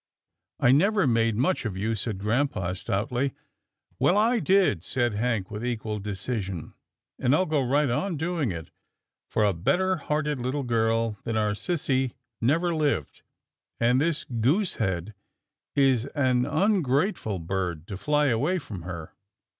" I never made much of you," said grampa, stoutly. " Well, I did," said Hank with equal decision, " and ril go right on doing it, for a better hearted little girl than our sissy never lived, and this goose head is an ungrateful bird to fly away from her."